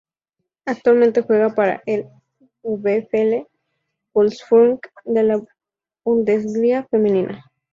Actualmente juega para el VfL Wolfsburg de la Bundesliga femenina.